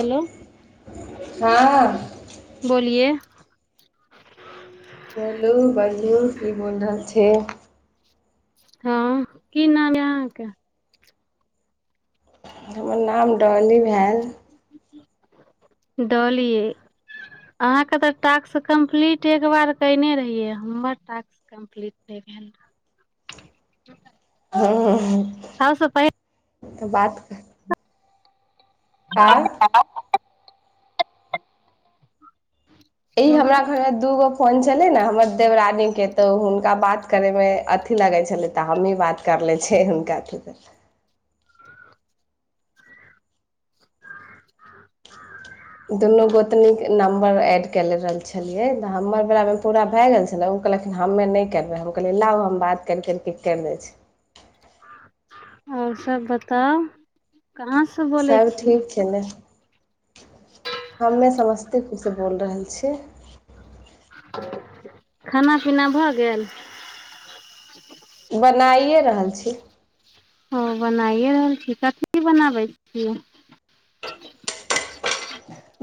Hello हँ बोलिए [unintelligible] बोलू बाजू की बोल रहल छै हँ की नाम यए अहाँके। हमर नाम डॉली भेल डलियै, अहाँके तऽ टास्क कम्पलीट एक बेर कने रहियै। हमर टास्क कम्पलीट नहि भेल। ह सओसँ प तऽ बात आँ [unintelligible] य बोलू हमरा घरमे दूगो फोन छले ने हमर देवरानी के तो हुनका बात करे में अथी लगे छै। छले तऽ हमही बात करले छै हुनका [unintelligible] दुनू गोतनीक नम्बर एड कए ले रहल छलियै तऽ हमर बेरामे पूरा भए गेल छलय ओ कहलखिन हमे नहि करबै हम कहलियै लाउ हम बात करि करि की करि दै छै आओर सभ बताउ कहाँ से बोलै सभ छी ठीक छै ने हमे‌ समस्तीपुर से बोल रहल छियै खाना पीना भऽ गेल बनाइए रहल छी ओ बनाइए रहल छी कथी बनाबै छियै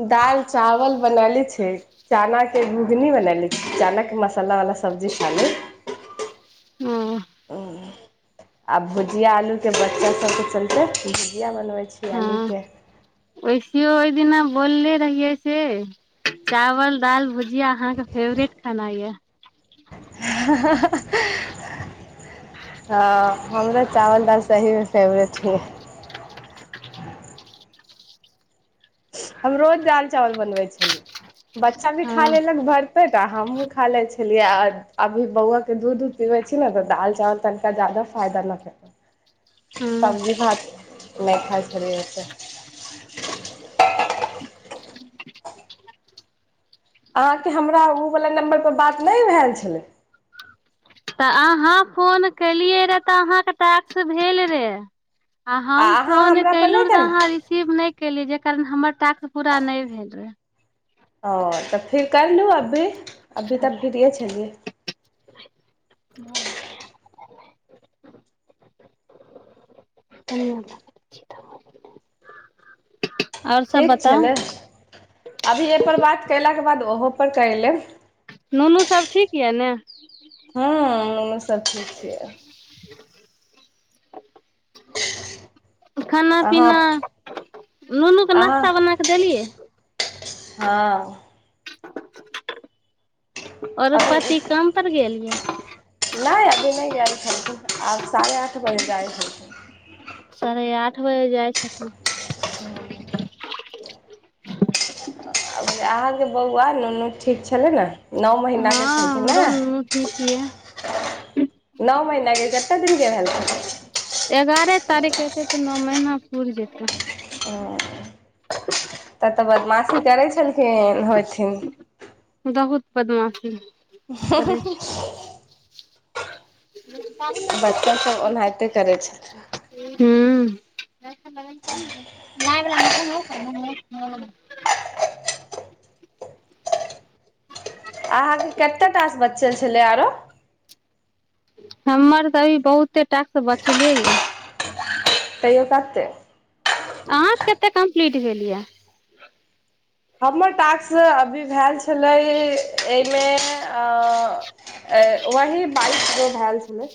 दाल चावल बनाली छी छी चना के घूघनी बनैले छी चना के मसाला वाला सब्जी खाली ओ आ भुजिया आलू के बच्चा सबके चलते भुजिया बना बनबै छिये आलू के कि‌यो ओय दिना बोलले रहिये से चावल दाल भुजिया भुजिया आहांँ के फेवरेट खाना य हँ हमरा चावल दालि सहीमे फेवरेट हिये [unintelligible] हम रोज दाल चावल बनबै छली बच्चा भी खा हँ लेलक भर पेट हमहुँ खा ले छलियै और अभी बौआ के दूध उध पीबै छी ने तऽ दाल चावल तनिका जादा फायदा न करत हूँ सब्जी भात नहि खाय छलिये ओतेे अहाँके हमरा उ‌ बला नम्बरपर बात नहि भेल छलै तऽ अहाँ फोन केलियै रे तऽ अहाँके टाक्स भेल रे आ आ हम अहाँ फोन हमरा पर नहि केलहु तऽ अहाँ करलियै रिसीव नहि केली जे कारण हमर टास्क पूरा नहि भेल रहे ओ तऽ फिर कैर लू अभी अभी तऽ फिरये छलियै धनिया क पत्ता धनिया क तनि छिटा माइर [unintelligible] ठीक छलै अभी एहिपर बात कयलाके बाद ओहो पर कैर लेब नुनू सब ठीक यऽ ने हूँ नुनू सब ठीक छियै खाना अहाँ पीना नुनू कऽ अहाँ नाश्ता बना कऽ देलियै हँ औरो अभी पति काम पर गेल ये नहि अभी नहि गेल छलखिन आब साढ़े आठ बजे जाइ छथिन साढ़े आठ बजे जाइ छथिन ह अभी अहाँके बौआ नुनू ठीक छलै न नौ महीना के हँ छलखिन हमरो नऽ नुनू ठीक ये नौ महीना कते दिन भेलहन एगारह तारीख एते तऽ नौ महीना पूर जेतै त ह तऽ तऽ बदमाशी करै छलखिन होइथिन बहुत बदमाशी करै हूँहूहू ह बच्चा सभ ओनाहिते करै छथि [unintelligible] अहाँके कतेक टास बच्चल छलै आरो हमर तऽ अभी बहुते टाकसँ बचले यए तयो कते आहाँ के कते कम्पलीट भेल या हमर टास्क अभी भेल छै छलै एहिमे आ आ वही बाइस भेल छलै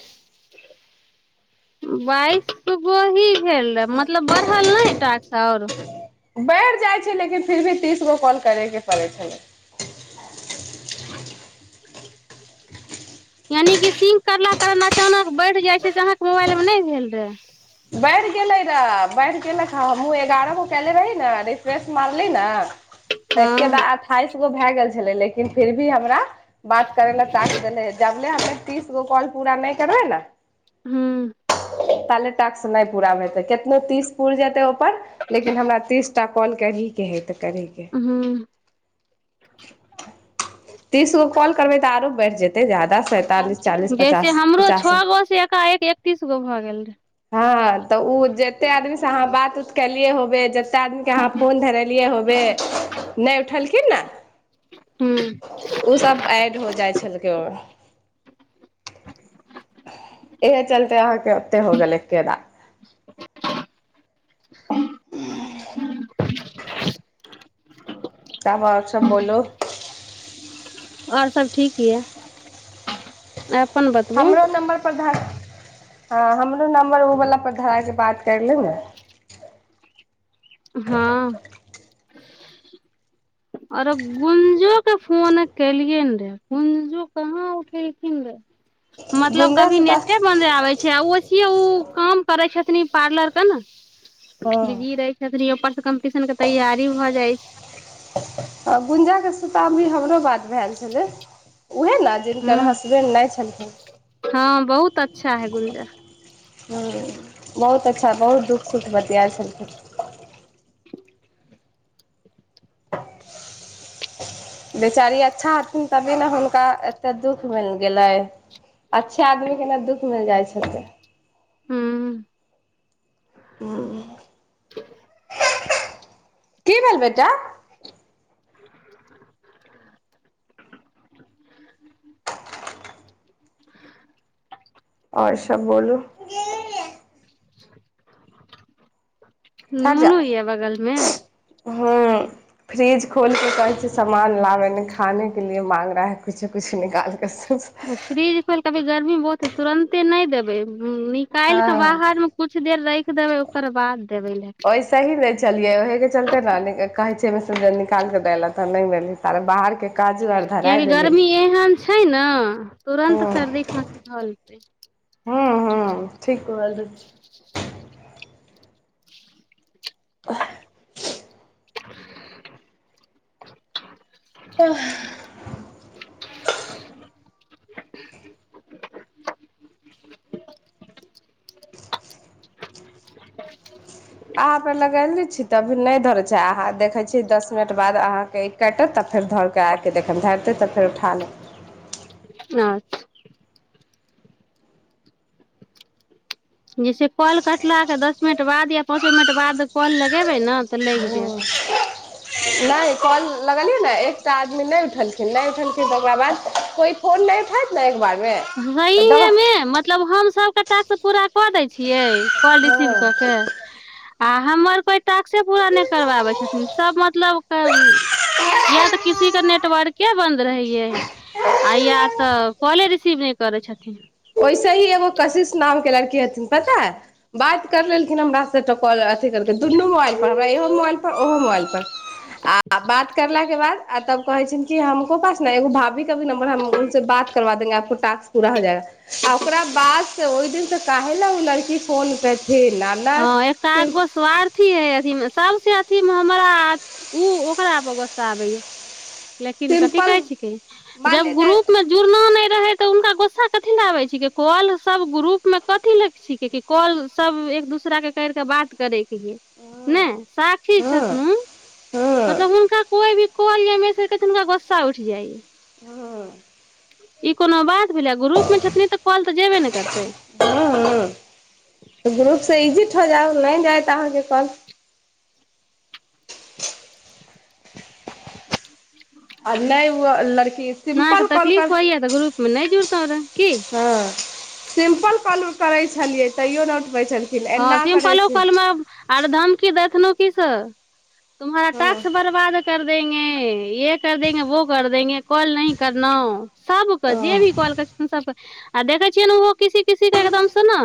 बाइश वही भेल रहे मतलब बढ़ल नहि टाक्स आओर बढ़ि जाइ छै लेकिन फिर भी तीस गो कॉल करयके पड़ै छलै यानि कि सिंक करला कारण अचानक बढ़ जाइ छै से अहाँके मोबाइल मे नहि भेल रहे बढ़ि गेलै रऽ बढ़ि गेलक हमहूँ एगारह गो केले रही ने रिफ्रेश मारली ने तऽ एके हँ दा‌ अठाइस गो भए गेल छलै लेकिन लेकिन फिर भी हमरा बात करैले टास्क देने है जब हमे तीस गो कॉल पूरा नहि करबै ने हँ ताले टास्क नहि पूरा हेतै केतनो तीस पुर जेतै पर लेकिन हमरा तीस टा कॉल करीे के हइ त करैके है हूँ तीसगो कल करबै तऽ आरो बैढ़ जेतै ज्यादा सैंतालिस चालीस जैसे पचास हमरो छओ पचासी गो से एकाएक एकतीस गो भऽ गेल रहै हँ तऽ ओ जते आदमी से अहाँ बात उत कर खेलिय होब ज [unintelligible] बैठलखिन न हूँ ओसभ एऐड हो जाइ छलकै ओ इह चलते आ होके ओते हो ग लेकेे द ह तबओ सब बोल आओर सभ ठीक यए हमरो नम्बर परर धान हँ हमरो नम्बर ओवला परर धराय क बात कर ले ने हँ आरो गुंजो के फोन केलियन रे गुंजो कहाँ उठेलखिन रे मतलब गुंजा कभी से तऽ नेते बन्दे आबे छै ओ कि ओ काम करै छथिन पार्लर के ने ली हँ रय पर से कम्पटीशन के तैयारी भऽ जाइ छै ह गुंजाके सीताम भी हमरो बात भेल छलै उएह ने जिनकर हूँ हसबैंड नहि छलखिन हँ बहुत अच्छा है गुंजा ह्म बहुत अच्छा बहुत दुःख सुख बतियाइ छलखिन [inaudible] बेचारी अच्छा हथिन तभी ने हुनका एते दुःख मिल गेलै अच्छे आदमी के ने दुःख मिल जाइ छै ठीक हँ की भेल बेटा [inaudible] आओर सबब बोलू [inaudible] हट जा नूनू यऽ बगलमे हूँ फ्रिज खोल के कहै छै सामान लाबे ने खाने के लिए माग रहा है कुछो कुछ निकालके फ्रीद प गर्मी बहुते तुरंते नहि देबे ह निकाल कऽ हँ बाहर मे कुछु देर राखि देबै ओकर बाद देबै लए ओहिसे ही नहि छलियै ओहेके चलते क ने कहै छै निकालके देल ले तऽ बाहर कियकि गर्मी एहन छै छै ने तुरन्त हूँ सर्दी खा कि भलतै हँ हँ ठीक बै छी आ [unintelligible] आ [inaudible] [inaudible] अहाँपर लगयलने छी तऽ अभी नहि धरै छै अहाँ देखै छीियै दस मिनट बाद अहाँकेँ काटत तऽ फेर धर कऽ आबि कऽ देख धरतै तऽ फेर उठा लेत न जैसे कल कटलेऽ दस मिनट बाद या पाँचो मिनट बाद कॉल लगेबै ने तऽ लागि जायत नहि कॉल लगलियै ने एकटा आदमी नहि उठलखिन नहि उठलखिन तऽ ओकरा बाद कोई फोन नहि उठैत ने एक बार सही हैमे मतलब हम सब कटाक से पूरा कऽ दै छियै कल हँ रिसीव कऽ के आ हमर कोई टास्के पूरा नहि करवाबे छथिन सब मतलब या तऽ कृषी के नेटवर्के बंद रहेये आ या तऽ कॉले स नहि करै छथिन ओहिसे ही एगो कशिश नाम के लड़की हथिन पता बात कर लेलखिन हमर अथ कर दुनू मोबाइल पर हमरा इहो मोबाइल पर ओहो मोबाइल पर आ बात करलला के बाद आ तब कहे छै कि हमको पास ने एगो भाभी के भी नम्बर हम उस बात करबा देेंगे आो पूरा हो जाएा आ ओकरा बाद से ओहि दिन से कहेल ओ लड़की फोन के हँ एक आ गो स्वार्थी है सबस अथी मे हमरा ओ ओकरापर गुस्सा आबैए लेकिन कथी कहै सिम्पल छिके मान जब ले जाय ग्रुप में जुड़ना नहि े तऽ उनका गोस्सा कथिी लाबे छिक कल सब ग्रुप मे कथिी ले छिक कल सब एक दोसरा के कर के बात करे नहि स्षी हँ छथिन हँ मतलब हुनका कोइ भी कलमे केतननका बसा उठि जाइ हँ ई कोनो बात भेलै ग्रुपमे छथिन तऽ कॉल तऽ जेयबे ने करतै त ग्रुप से इग्जिट हो जाउ नहि जाय तहके कल [inaudible] अ नहि अलड़की सिम्पल कल कर मन जर तावरे हँ सिम्पल कल करै छलियै तैयो ने हँ सिम्पलो कलमे आर की देथनो किस तुम्हारा हँ टक्स बर्बाद कर देेंगे ये कर देेंगे वो कर देेंगे कॉल नहीं करना सब त ओ जेे भी काॅल करै छथिन सबक आ देखे छियै ने ओहो किसी किसी के एकदम से ने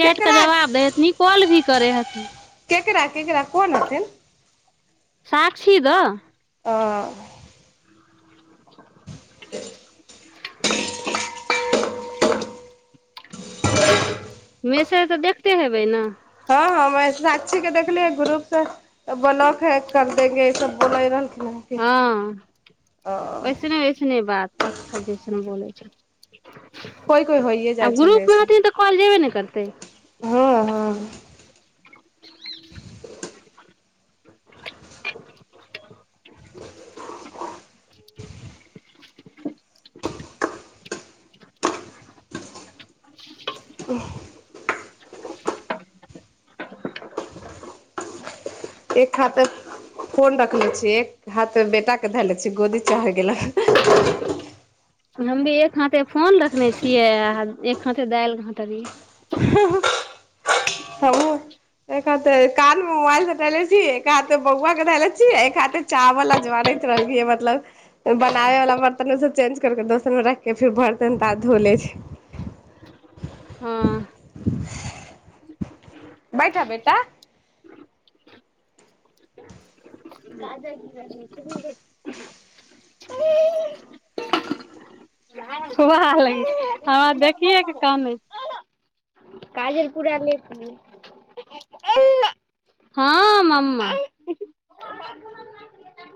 चैट के केकरा जवाब दै हथिनी कॉल भी करै हथिन केकेरा केकेरा कोन नथिन साक्षी दऽ हँ [inaudible] [unintelligible] मेसेज तऽ देखते हेबै ने अपने ग्रुप सऽ ब्लॉक हैक कर देंगे ई सब बोलै रहलखिन हँ कि हँ ओ वैसने वैसने बात पथल जैसन बोलै [inaudible] कोइ कोइ होइए आब जाइए छलै ग्रुप मे से हथिन तऽ कॉल जेबे ने करतै हँ हँ [inaudible] [inaudible] एक हाथे फोन रखले छियै एक हाथ बेटाे धए ले छिय गोदी चढ़ गेलैन हम भी एक हाथे फोन रखने छियै आ एक हाथे दालि हाथभी हमहूँ एक हाथे कान मे मोबाइल सटेले छी एक हाथे बौआ धैले छी एक हाथे चावल अजवारैत रहलिय मतलब बनाबे वाला बर्तन में सऽ चेंज कर के दोसर में राइख के फिर बर्तन तात धोले छी हँ बैठअ बैठअ तऽ [inaudible] कोरा लही हमरा देखियए के काने काजल पूरा लेप लेलको हं मम्मा